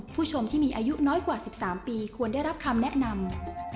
ผู้ชมที่มีอายุน้อยกว่า๑๓ปีควรได้รับคำแนะนำ